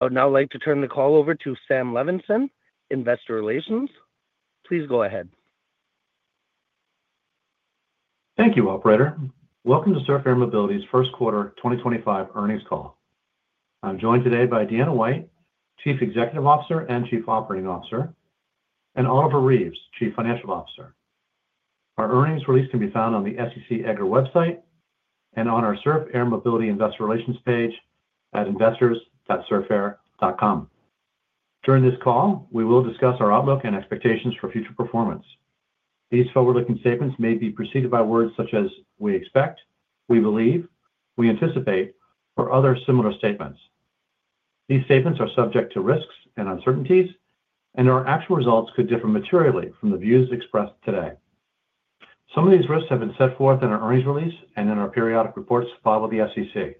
I would now like to turn the call over to Sam Levenson, Investor Relations. Please go ahead. Thank you, Operator. Welcome to Surf Air Mobility's first quarter 2025 earnings call. I'm joined today by Deanna White, Chief Executive Officer and Chief Operating Officer, and Oliver Reeves, Chief Financial Officer. Our earnings release can be found on the SEC EDGAR website and on our Surf Air Mobility Investor Relations page at investors.surfair.com. During this call, we will discuss our outlook and expectations for future performance. These forward-looking statements may be preceded by words such as "we expect," "we believe," "we anticipate," or other similar statements. These statements are subject to risks and uncertainties, and our actual results could differ materially from the views expressed today. Some of these risks have been set forth in our earnings release and in our periodic reports filed with the SEC.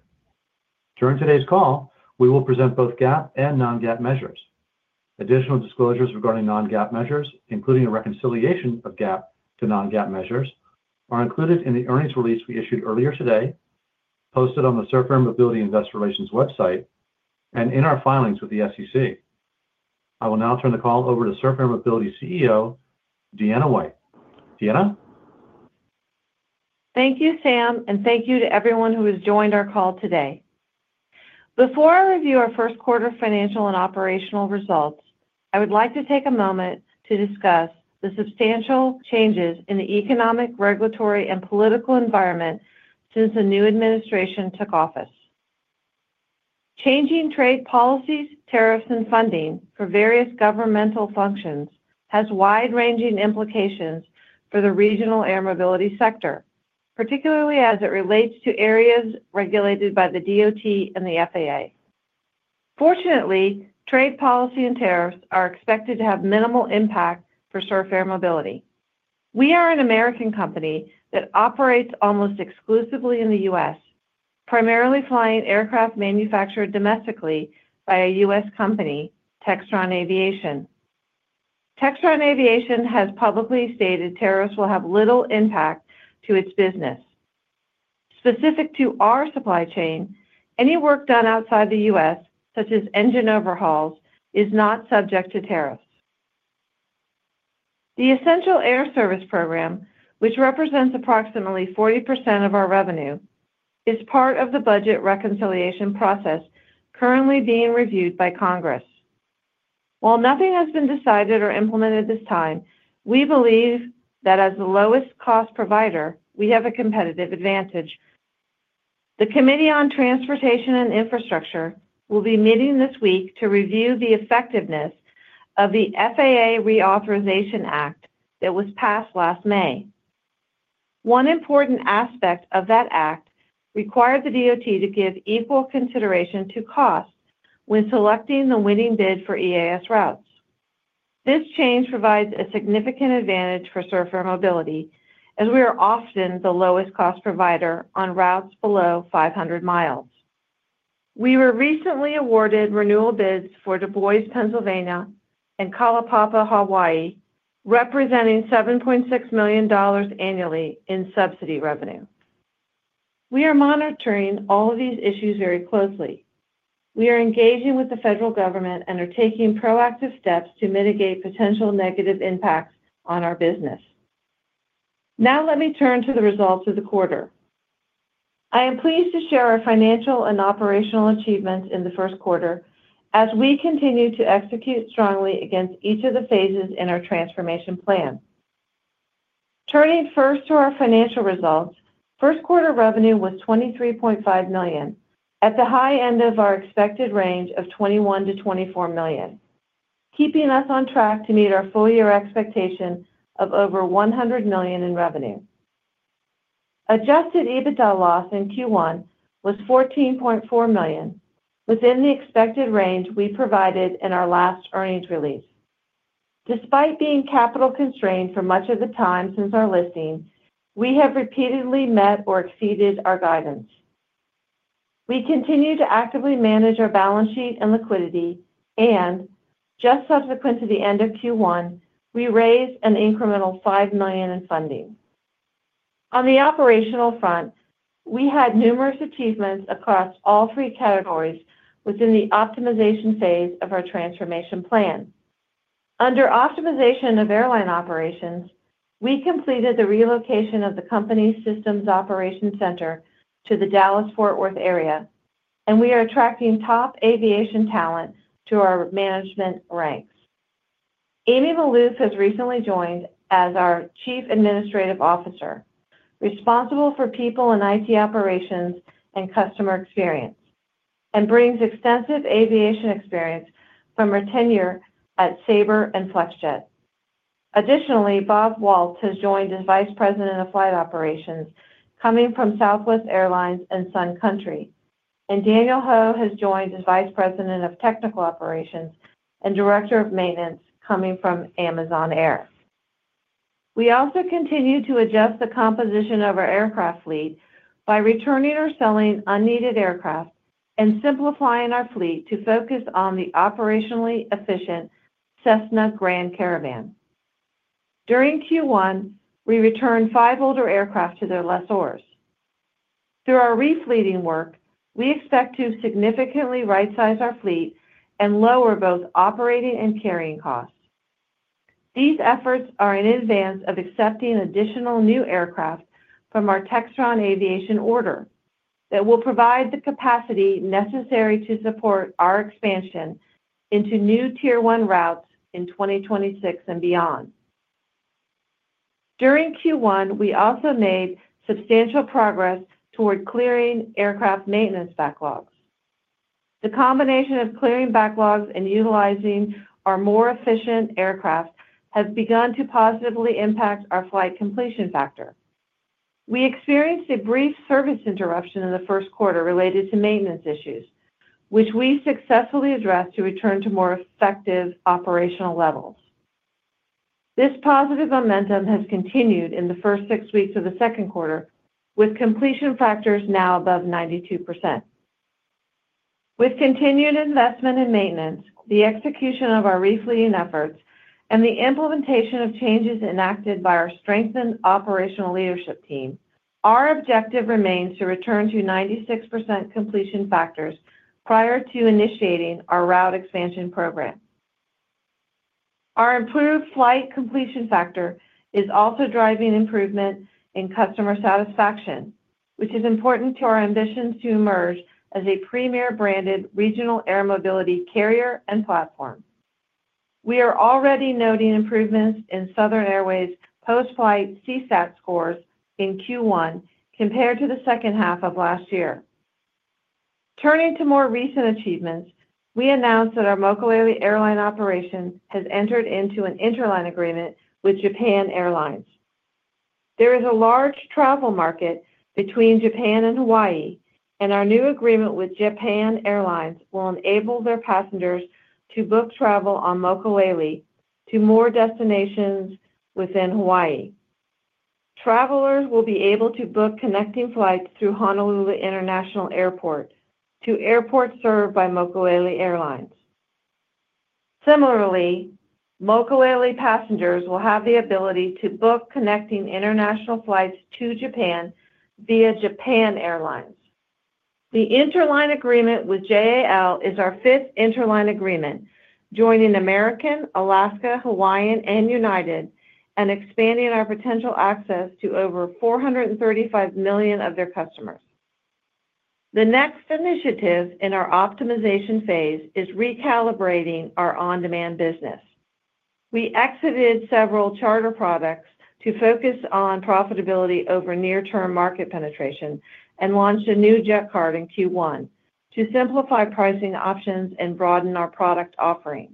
During today's call, we will present both GAAP and non-GAAP measures. Additional disclosures regarding non-GAAP measures, including a reconciliation of GAAP to non-GAAP measures, are included in the earnings release we issued earlier today, posted on the Surf Air Mobility Investor Relations website, and in our filings with the SEC. I will now turn the call over to Surf Air Mobility CEO, Deanna White. Deanna? Thank you, Sam, and thank you to everyone who has joined our call today. Before I review our first quarter financial and operational results, I would like to take a moment to discuss the substantial changes in the economic, regulatory, and political environment since the new administration took office. Changing trade policies, tariffs, and funding for various governmental functions has wide-ranging implications for the regional air mobility sector, particularly as it relates to areas regulated by the DOT and the FAA. Fortunately, trade policy and tariffs are expected to have minimal impact for Surf Air Mobility. We are an American company that operates almost exclusively in the U.S., primarily flying aircraft manufactured domestically by a U.S. company, Textron Aviation. Textron Aviation has publicly stated tariffs will have little impact to its business. Specific to our supply chain, any work done outside the U.S., such as engine overhauls, is not subject to tariffs. The Essential Air Service Program, which represents approximately 40% of our revenue, is part of the budget reconciliation process currently being reviewed by Congress. While nothing has been decided or implemented this time, we believe that as the lowest-cost provider, we have a competitive advantage. The Committee on Transportation and Infrastructure will be meeting this week to review the effectiveness of the FAA Reauthorization Act that was passed last May. One important aspect of that act required the DOT to give equal consideration to cost when selecting the winning bid for EAS routes. This change provides a significant advantage for Surf Air Mobility, as we are often the lowest-cost provider on routes below 500 mi. We were recently awarded renewal bids for DuBois, Pennsylvania, and Kalaupapa, Hawaii, representing $7.6 million annually in subsidy revenue. We are monitoring all of these issues very closely. We are engaging with the federal government and are taking proactive steps to mitigate potential negative impacts on our business. Now, let me turn to the results of the quarter. I am pleased to share our financial and operational achievements in the first quarter as we continue to execute strongly against each of the phases in our transformation plan. Turning first to our financial results, first quarter revenue was $23.5 million, at the high end of our expected range of $21-$24 million, keeping us on track to meet our full-year expectation of over $100 million in revenue. Adjusted EBITDA loss in Q1 was $14.4 million, within the expected range we provided in our last earnings release. Despite being capital constrained for much of the time since our listing, we have repeatedly met or exceeded our guidance. We continue to actively manage our balance sheet and liquidity, and just subsequent to the end of Q1, we raised an incremental $5 million in funding. On the operational front, we had numerous achievements across all three categories within the optimization phase of our transformation plan. Under optimization of airline operations, we completed the relocation of the company's systems operations center to the Dallas-Fort Worth area, and we are attracting top aviation talent to our management ranks. Amy Maloof has recently joined as our Chief Administrative Officer, responsible for people and IT operations and customer experience, and brings extensive aviation experience from her tenure at Sabre and Flexjet. Additionally, Bob Waltz has joined as Vice President of Flight Operations, coming from Southwest Airlines and Sun Country Airlines, and Daniel Ho has joined as Vice President of Technical Operations and Director of Maintenance, coming from Amazon Air. We also continue to adjust the composition of our aircraft fleet by returning or selling unneeded aircraft and simplifying our fleet to focus on the operationally efficient Cessna Grand Caravan. During Q1, we returned five older aircraft to their lessors. Through our refleeting work, we expect to significantly right-size our fleet and lower both operating and carrying costs. These efforts are in advance of accepting additional new aircraft from our Textron Aviation order that will provide the capacity necessary to support our expansion into new Tier 1 routes in 2026 and beyond. During Q1, we also made substantial progress toward clearing aircraft maintenance backlogs. The combination of clearing backlogs and utilizing our more efficient aircraft has begun to positively impact our flight completion factor. We experienced a brief service interruption in the first quarter related to maintenance issues, which we successfully addressed to return to more effective operational levels. This positive momentum has continued in the first six weeks of the second quarter, with completion factors now above 92%. With continued investment in maintenance, the execution of our refleeting efforts, and the implementation of changes enacted by our strengthened operational leadership team, our objective remains to return to 96% completion factors prior to initiating our route expansion program. Our improved flight completion factor is also driving improvement in customer satisfaction, which is important to our ambitions to emerge as a premier branded regional air mobility carrier and platform. We are already noting improvements in Southern Airways' post-flight CSAT scores in Q1 compared to the second half of last year. Turning to more recent achievements, we announced that our Mokulele Airlines operation has entered into an interline agreement with Japan Airlines. There is a large travel market between Japan and Hawaii, and our new agreement with Japan Airlines will enable their passengers to book travel on Mokulele to more destinations within Hawaii. Travelers will be able to book connecting flights through Honolulu International Airport to airports served by Mokulele Airlines. Similarly, Mokulele passengers will have the ability to book connecting international flights to Japan via Japan Airlines. The interline agreement with Japan Airlines is our fifth interline agreement, joining American, Alaska, Hawaiian, and United, and expanding our potential access to over 435 million of their customers. The next initiative in our optimization phase is recalibrating our on-demand business. We exited several charter products to focus on profitability over near-term market penetration and launched a new Jet Card in Q1 to simplify pricing options and broaden our product offering.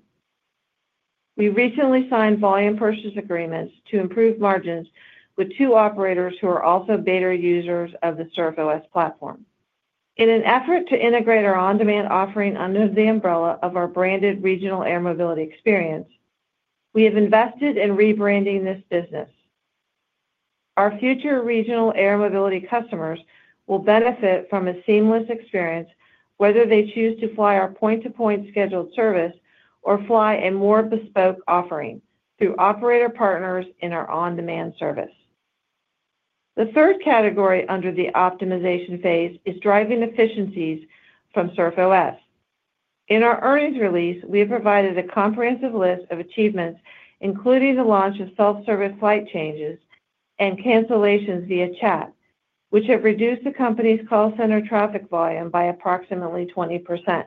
We recently signed volume purchase agreements to improve margins with two operators who are also beta users of the Surf OS platform. In an effort to integrate our on-demand offering under the umbrella of our branded regional air mobility experience, we have invested in rebranding this business. Our future regional air mobility customers will benefit from a seamless experience, whether they choose to fly our point-to-point scheduled service or fly a more bespoke offering through operator partners in our on-demand service. The third category under the optimization phase is driving efficiencies from Surf OS. In our earnings release, we have provided a comprehensive list of achievements, including the launch of self-service flight changes and cancellations via chat, which have reduced the company's call center traffic volume by approximately 20%.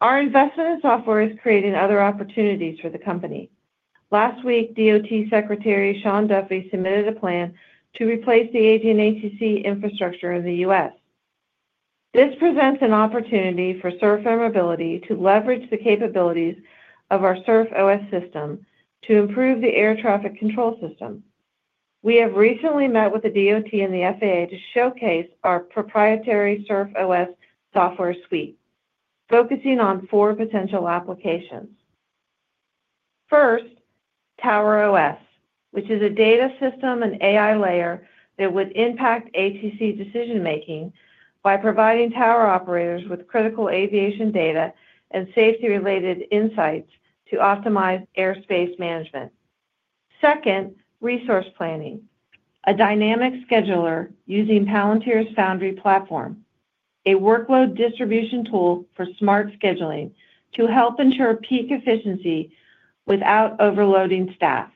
Our investment in software is creating other opportunities for the company. Last week, DOT Secretary Sean Duffy submitted a plan to replace the ADNATC infrastructure in the U.S. This presents an opportunity for Surf Air Mobility to leverage the capabilities of our Surf OS system to improve the air traffic control system. We have recently met with the DOT and the FAA to showcase our proprietary Surf OS software suite, focusing on four potential applications. First, Tower OS, which is a data system and AI layer that would impact ATC decision-making by providing tower operators with critical aviation data and safety-related insights to optimize airspace management. Second, resource planning, a dynamic scheduler using Palantir's Foundry platform, a workload distribution tool for smart scheduling to help ensure peak efficiency without overloading staff.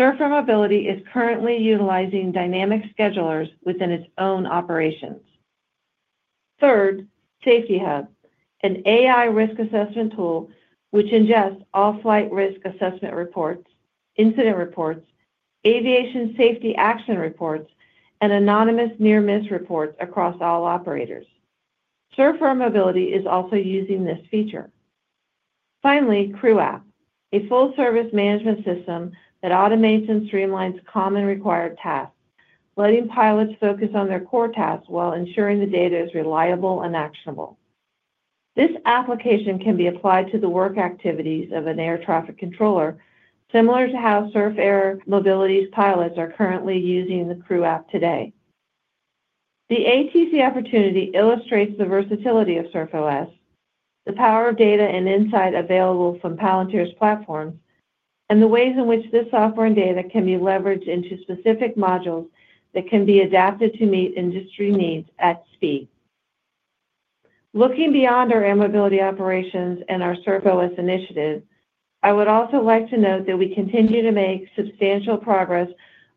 Surf Air Mobility is currently utilizing dynamic schedulers within its own operations. Third, Safety Hub, an AI risk assessment tool which ingests all flight risk assessment reports, incident reports, aviation safety action reports, and anonymous near-miss reports across all operators. Surf Air Mobility is also using this feature. Finally, Crew App, a full-service management system that automates and streamlines common required tasks, letting pilots focus on their core tasks while ensuring the data is reliable and actionable. This application can be applied to the work activities of an air traffic controller, similar to how Surf Air Mobility's pilots are currently using the Crew App today. The ATC opportunity illustrates the versatility of Surf OS, the power of data and insight available from Palantir's platforms, and the ways in which this software and data can be leveraged into specific modules that can be adapted to meet industry needs at speed. Looking beyond our air mobility operations and our Surf OS initiative, I would also like to note that we continue to make substantial progress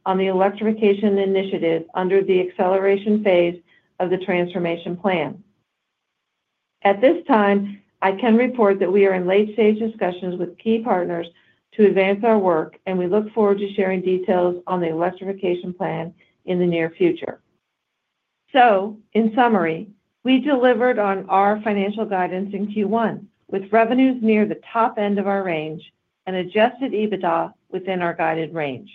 on the electrification initiative under the acceleration phase of the transformation plan. At this time, I can report that we are in late-stage discussions with key partners to advance our work, and we look forward to sharing details on the electrification plan in the near future. In summary, we delivered on our financial guidance in Q1 with revenues near the top end of our range and adjusted EBITDA within our guided range.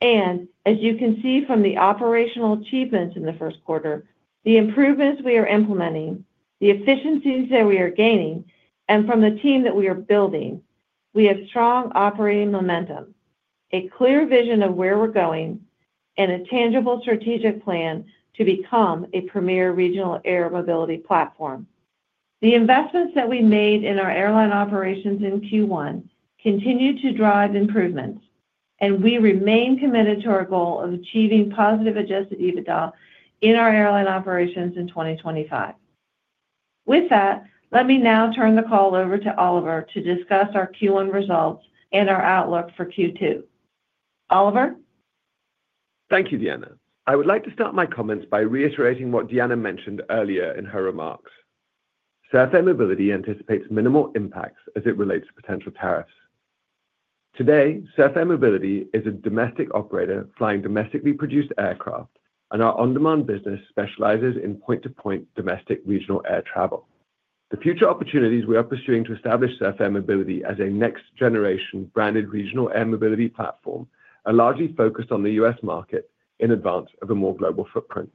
As you can see from the operational achievements in the first quarter, the improvements we are implementing, the efficiencies that we are gaining, and from the team that we are building, we have strong operating momentum, a clear vision of where we're going, and a tangible strategic plan to become a premier regional air mobility platform. The investments that we made in our airline operations in Q1 continue to drive improvements, and we remain committed to our goal of achieving positive adjusted EBITDA in our airline operations in 2025. With that, let me now turn the call over to Oliver to discuss our Q1 results and our outlook for Q2. Oliver? Thank you, Deanna. I would like to start my comments by reiterating what Deanna mentioned earlier in her remarks. Surf Air Mobility anticipates minimal impacts as it relates to potential tariffs. Today, Surf Air Mobility is a domestic operator flying domestically produced aircraft, and our on-demand business specializes in point-to-point domestic regional air travel. The future opportunities we are pursuing to establish Surf Air Mobility as a next-generation branded regional air mobility platform are largely focused on the U.S. market in advance of a more global footprint.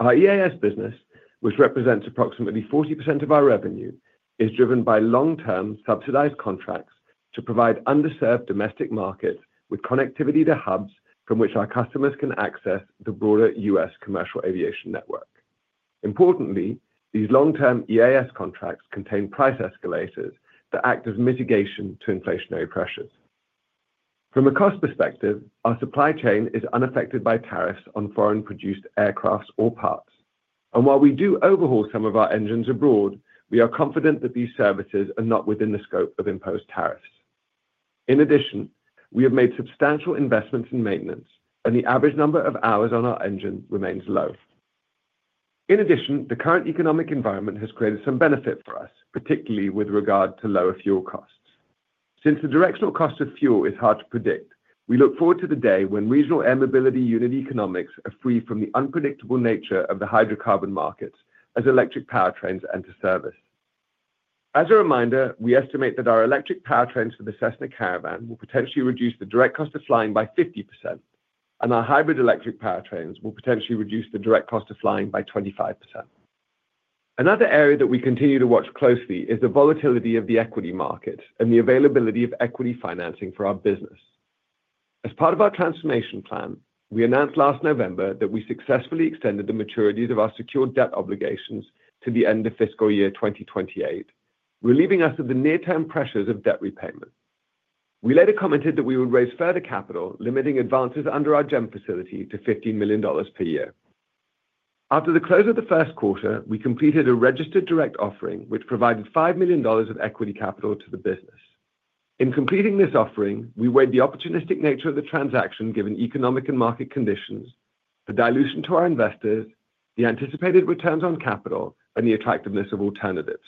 Our EAS business, which represents approximately 40% of our revenue, is driven by long-term subsidized contracts to provide underserved domestic markets with connectivity to hubs from which our customers can access the broader U.S. commercial aviation network. Importantly, these long-term EAS contracts contain price escalators that act as mitigation to inflationary pressures. From a cost perspective, our supply chain is unaffected by tariffs on foreign-produced aircraft or parts. While we do overhaul some of our engines abroad, we are confident that these services are not within the scope of imposed tariffs. In addition, we have made substantial investments in maintenance, and the average number of hours on our engines remains low. In addition, the current economic environment has created some benefit for us, particularly with regard to lower fuel costs. Since the directional cost of fuel is hard to predict, we look forward to the day when regional air mobility unit economics are freed from the unpredictable nature of the hydrocarbon markets as electric powertrains enter service. As a reminder, we estimate that our electric powertrains for the Cessna Caravan will potentially reduce the direct cost of flying by 50%, and our hybrid electric powertrains will potentially reduce the direct cost of flying by 25%. Another area that we continue to watch closely is the volatility of the equity market and the availability of equity financing for our business. As part of our transformation plan, we announced last November that we successfully extended the maturities of our secured debt obligations to the end of fiscal year 2028, relieving us of the near-term pressures of debt repayment. We later commented that we would raise further capital, limiting advances under our GEM facility to $15 million per year. After the close of the first quarter, we completed a registered direct offering, which provided $5 million of equity capital to the business. In completing this offering, we weighed the opportunistic nature of the transaction given economic and market conditions, the dilution to our investors, the anticipated returns on capital, and the attractiveness of alternatives.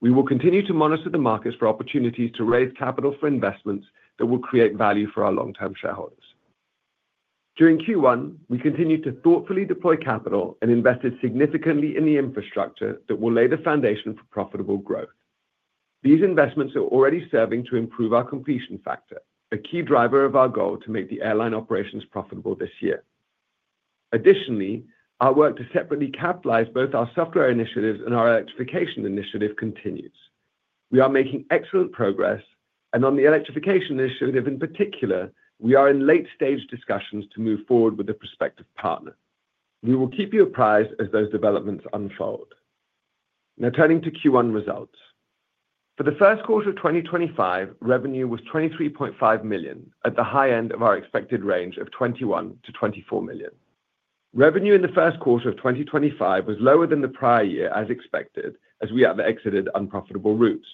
We will continue to monitor the markets for opportunities to raise capital for investments that will create value for our long-term shareholders. During Q1, we continued to thoughtfully deploy capital and invested significantly in the infrastructure that will lay the foundation for profitable growth. These investments are already serving to improve our completion factor, a key driver of our goal to make the airline operations profitable this year. Additionally, our work to separately capitalize both our software initiatives and our electrification initiative continues. We are making excellent progress, and on the electrification initiative in particular, we are in late-stage discussions to move forward with a prospective partner. We will keep you apprised as those developments unfold. Now, turning to Q1 results. For the first quarter of 2025, revenue was $23.5 million at the high end of our expected range of $21-$24 million. Revenue in the first quarter of 2025 was lower than the prior year, as expected, as we have exited unprofitable routes.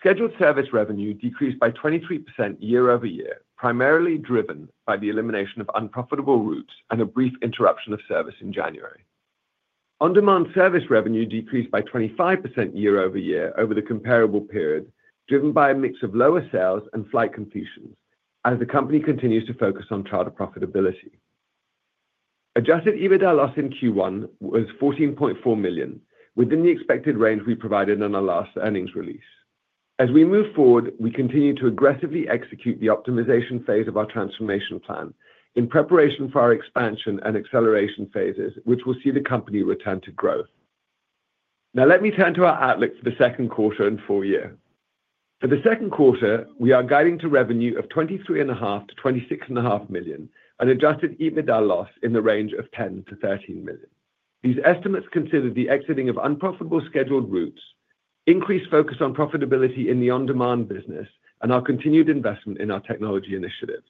Scheduled service revenue decreased by 23% year-over-year, primarily driven by the elimination of unprofitable routes and a brief interruption of service in January. On-demand service revenue decreased by 25% year-over-year over the comparable period, driven by a mix of lower sales and flight completions, as the company continues to focus on charter profitability. Adjusted EBITDA loss in Q1 was $14.4 million, within the expected range we provided on our last earnings release. As we move forward, we continue to aggressively execute the optimization phase of our transformation plan in preparation for our expansion and acceleration phases, which will see the company return to growth. Now, let me turn to our outlook for the second quarter and full year. For the second quarter, we are guiding to revenue of $23.5-$26.5 million and adjusted EBITDA loss in the range of $10-$13 million. These estimates consider the exiting of unprofitable scheduled routes, increased focus on profitability in the on-demand business, and our continued investment in our technology initiatives.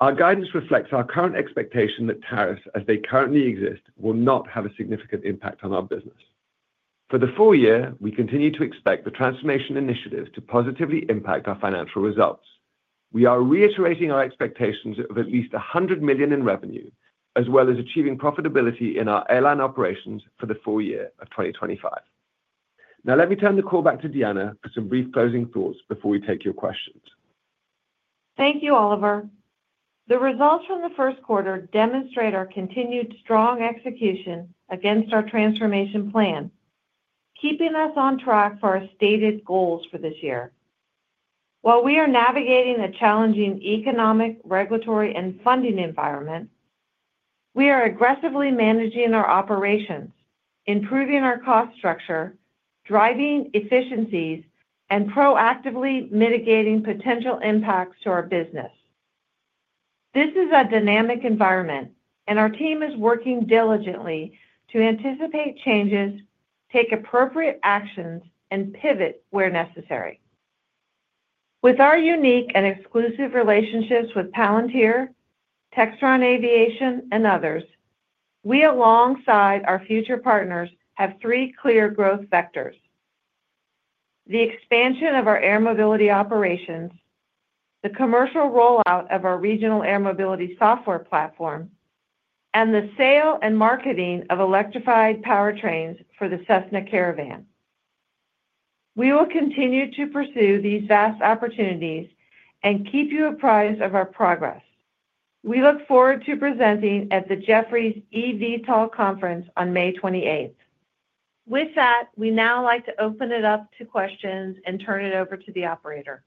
Our guidance reflects our current expectation that tariffs, as they currently exist, will not have a significant impact on our business. For the full year, we continue to expect the transformation initiative to positively impact our financial results. We are reiterating our expectations of at least $100 million in revenue, as well as achieving profitability in our airline operations for the full year of 2025. Now, let me turn the call back to Deanna for some brief closing thoughts before we take your questions. Thank you, Oliver. The results from the first quarter demonstrate our continued strong execution against our transformation plan, keeping us on track for our stated goals for this year. While we are navigating a challenging economic, regulatory, and funding environment, we are aggressively managing our operations, improving our cost structure, driving efficiencies, and proactively mitigating potential impacts to our business. This is a dynamic environment, and our team is working diligently to anticipate changes, take appropriate actions, and pivot where necessary. With our unique and exclusive relationships with Palantir, Textron Aviation, and others, we, alongside our future partners, have three clear growth vectors: the expansion of our air mobility operations, the commercial rollout of our regional air mobility software platform, and the sale and marketing of electrified powertrains for the Cessna Caravan. We will continue to pursue these vast opportunities and keep you apprised of our progress. We look forward to presenting at the Jefferies eVTOL Conference on May 28th. With that, we now like to open it up to questions and turn it over to the operator.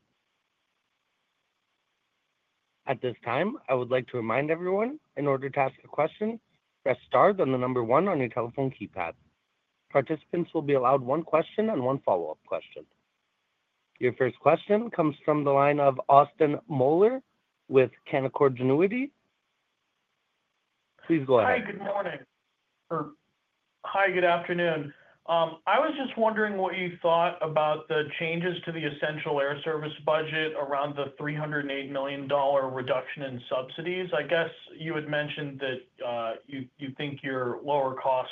At this time, I would like to remind everyone, in order to ask a question, press STAR and then the number one on your telephone keypad. Participants will be allowed one question and one follow-up question. Your first question comes from the line of Austin Moeller with Canaccord Genuity. Please go ahead. Hi, good morning. Hi, good afternoon. I was just wondering what you thought about the changes to the Essential Air Service budget around the $308 million reduction in subsidies. I guess you had mentioned that you think your lower cost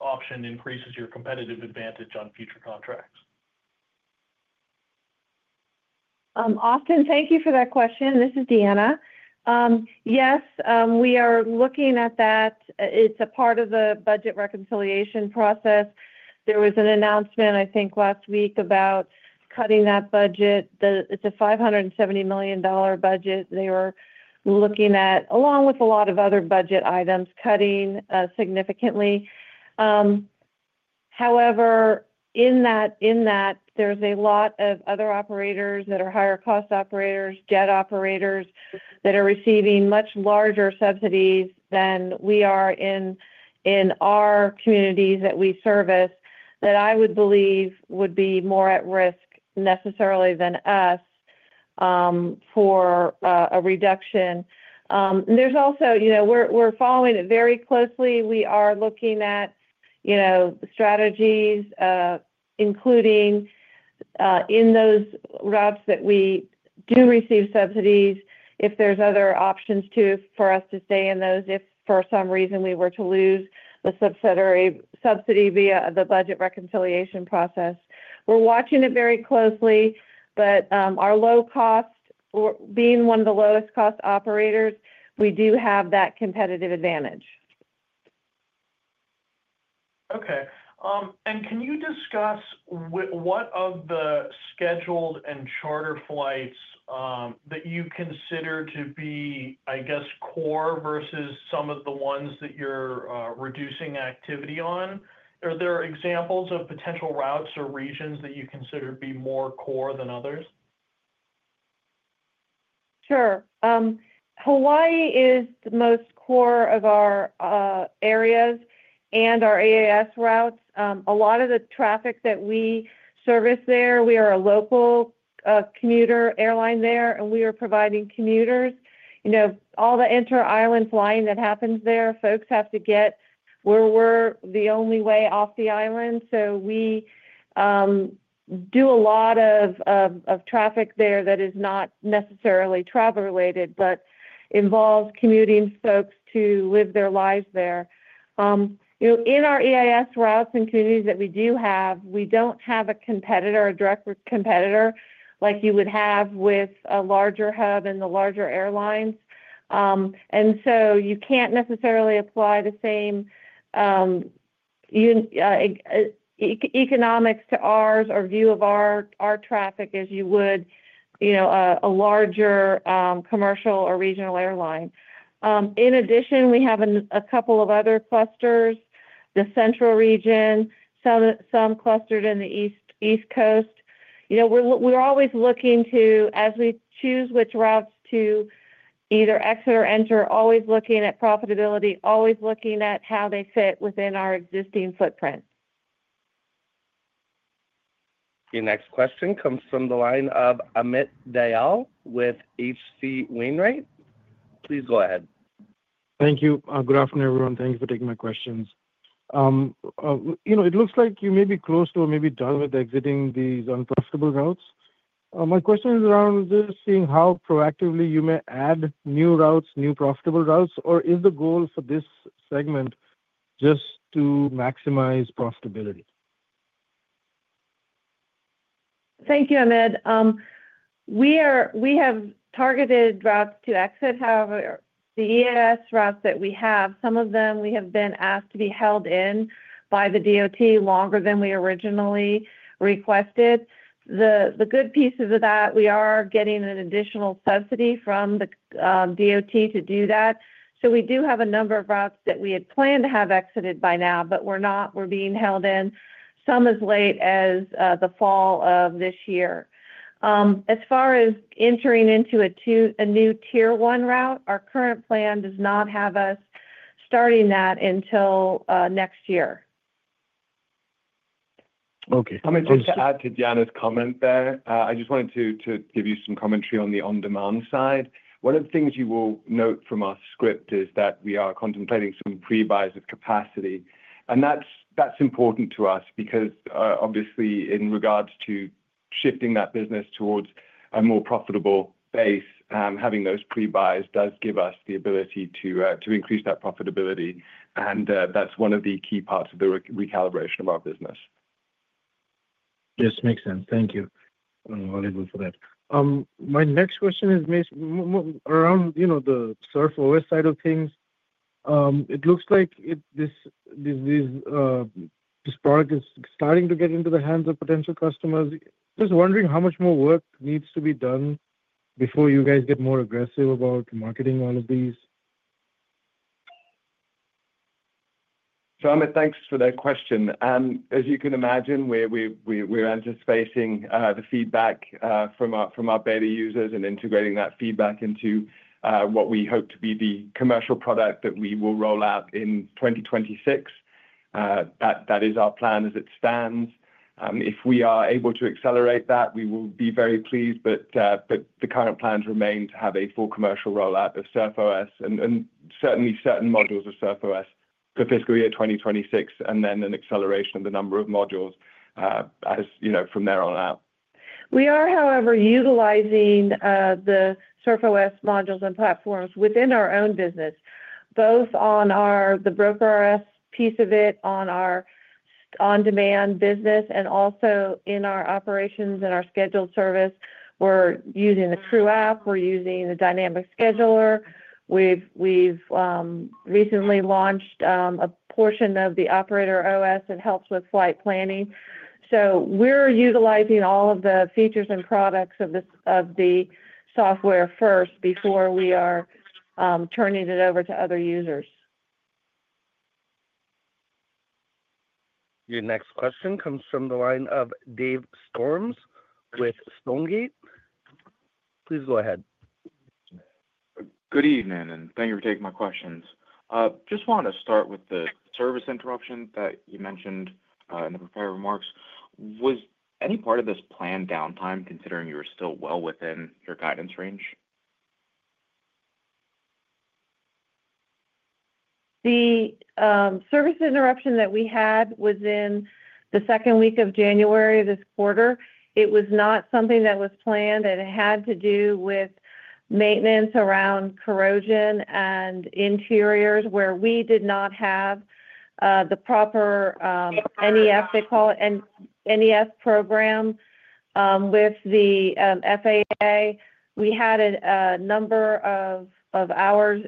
option increases your competitive advantage on future contracts. Austin, thank you for that question. This is Deanna. Yes, we are looking at that. It's a part of the budget reconciliation process. There was an announcement, I think, last week about cutting that budget. It's a $570 million budget they were looking at, along with a lot of other budget items, cutting significantly. However, in that, there's a lot of other operators that are higher-cost operators, jet operators that are receiving much larger subsidies than we are in our communities that we service, that I would believe would be more at risk necessarily than us for a reduction. There's also, we're following it very closely. We are looking at strategies, including in those routes that we do receive subsidies, if there's other options for us to stay in those if, for some reason, we were to lose the subsidy via the budget reconciliation process. We're watching it very closely, but our low cost, being one of the lowest-cost operators, we do have that competitive advantage. Okay. Can you discuss what of the scheduled and charter flights that you consider to be, I guess, core versus some of the ones that you're reducing activity on? Are there examples of potential routes or regions that you consider to be more core than others? Sure. Hawaii is the most core of our areas and our EAS routes. A lot of the traffic that we service there, we are a local commuter airline there, and we are providing commuters. All the inter-island flying that happens there, folks have to get where we're the only way off the island. We do a lot of traffic there that is not necessarily travel-related, but involves commuting folks to live their lives there. In our EAS routes and communities that we do have, we do not have a competitor, a direct competitor, like you would have with a larger hub and the larger airlines. You cannot necessarily apply the same economics to ours or view of our traffic as you would a larger commercial or regional airline. In addition, we have a couple of other clusters, the central region, some clustered in the East Coast. We are always looking to, as we choose which routes to either exit or enter, always looking at profitability, always looking at how they fit within our existing footprint. Your next question comes from the line of Amit Dayal with H.C. Wainwright. Please go ahead. Thank you. Good afternoon, everyone. Thank you for taking my questions. It looks like you may be close to or maybe done with exiting these unprofitable routes. My question is around just seeing how proactively you may add new routes, new profitable routes, or is the goal for this segment just to maximize profitability? Thank you, Amit. We have targeted routes to exit. However, the EAS routes that we have, some of them we have been asked to be held in by the DOT longer than we originally requested. The good piece of that, we are getting an additional subsidy from the DOT to do that. So we do have a number of routes that we had planned to have exited by now, but we're not. We're being held in some as late as the fall of this year. As far as entering into a new tier one route, our current plan does not have us starting that until next year. Okay. Just to add to Deanna's comment there, I just wanted to give you some commentary on the on-demand side. One of the things you will note from our script is that we are contemplating some pre-buys of capacity. That is important to us because, obviously, in regards to shifting that business towards a more profitable base, having those pre-buys does give us the ability to increase that profitability. That is one of the key parts of the recalibration of our business. Yes, makes sense. Thank you. I'm valuable for that. My next question is around the Surf Air Mobility side of things. It looks like this product is starting to get into the hands of potential customers. Just wondering how much more work needs to be done before you guys get more aggressive about marketing all of these? Sure, Amit. Thanks for that question. As you can imagine, we're anticipating the feedback from our beta users and integrating that feedback into what we hope to be the commercial product that we will roll out in 2026. That is our plan as it stands. If we are able to accelerate that, we will be very pleased, but the current plans remain to have a full commercial rollout of Surf OS and certainly certain modules of Surf OS for fiscal year 2026, and then an acceleration of the number of modules from there on out. We are, however, utilizing the Surf OS modules and platforms within our own business, both on the broker RS piece of it, on our on-demand business, and also in our operations and our scheduled service. We're using the Crew App. We're using the Dynamic Scheduler. We've recently launched a portion of the operator OS that helps with flight planning. So we're utilizing all of the features and products of the software first before we are turning it over to other users. Your next question comes from the line of Dave Storms with. Please go ahead. Good evening, and thank you for taking my questions. Just wanted to start with the service interruption that you mentioned in the prepared remarks. Was any part of this planned downtime, considering you were still well within your guidance range? The service interruption that we had was in the second week of January of this quarter. It was not something that was planned, and it had to do with maintenance around corrosion and interiors where we did not have the proper NEF, they call it, NEF program with the FAA. We had a number of hours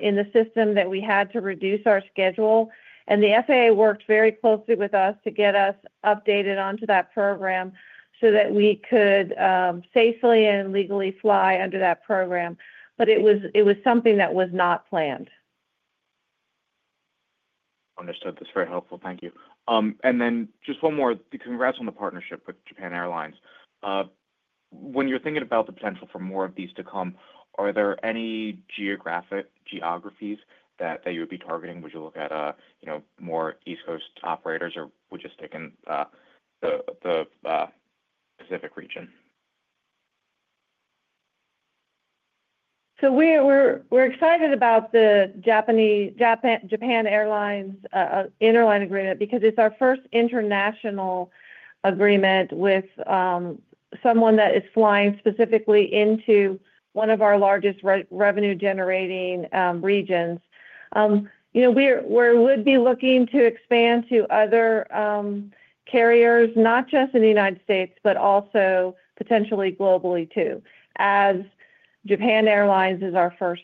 in the system that we had to reduce our schedule. The FAA worked very closely with us to get us updated onto that program so that we could safely and legally fly under that program. It was something that was not planned. Understood. That's very helpful. Thank you. Just one more. Congrats on the partnership with Japan Airlines. When you're thinking about the potential for more of these to come, are there any geographies that you would be targeting? Would you look at more East Coast operators, or would you stick in the Pacific region? We're excited about the Japan Airlines interline agreement because it's our first international agreement with someone that is flying specifically into one of our largest revenue-generating regions. We would be looking to expand to other carriers, not just in the United States, but also potentially globally too, as Japan Airlines is our first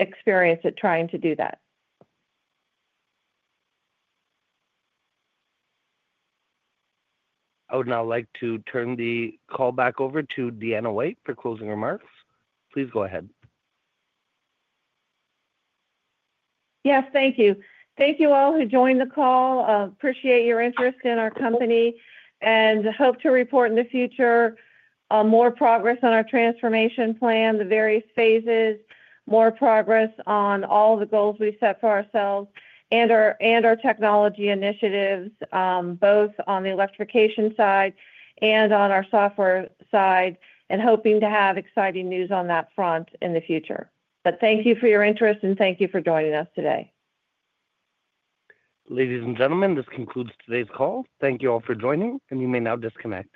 experience at trying to do that. I would now like to turn the call back over to Deanna White for closing remarks. Please go ahead. Yes, thank you. Thank you all who joined the call. Appreciate your interest in our company and hope to report in the future more progress on our transformation plan, the various phases, more progress on all the goals we set for ourselves and our technology initiatives, both on the electrification side and on our software side, and hoping to have exciting news on that front in the future. Thank you for your interest, and thank you for joining us today. Ladies and gentlemen, this concludes today's call. Thank you all for joining, and you may now disconnect.